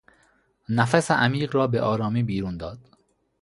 نفس عمیق را به آرامی بیرون داد.